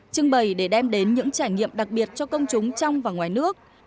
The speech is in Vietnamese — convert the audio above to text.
trưng bày để đem đến những trải nghiệm đặc biệt cho công chúng trong và ngoài nước